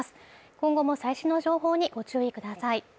今後も最新の情報にご注意ください